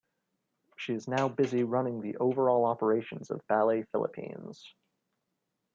She is now busy running the over-all operations of Ballet Philippines.